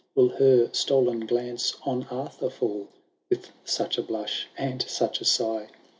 Will her stoPn glance on Arthur fall. With such a blush and such a sigh